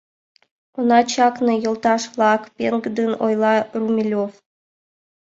— Она чакне, йолташ-влак, — пеҥгыдын ойла Румелёв.